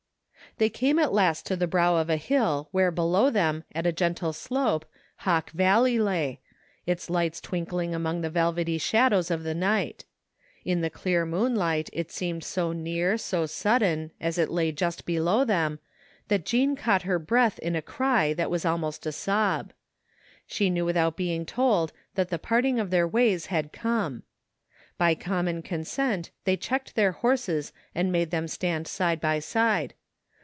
They came at last to the brow of a hill where below them at a gentle slope Hawk Valley lay, its lights twink ling among the velvety shadows of the night In the dear moonlight it seemed so near, so sudden, as it lay just below them that Jean caught her breath in a cry that was almost a sob. She knew without being told that the parting of their ways had come. By common consent they checked their horses and made them stand side by side.